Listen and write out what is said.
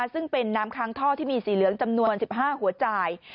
ซึ่งเป็นน้ำค้างท่อที่มีสีเหลืองจำนวน๑๕หัวจ่าย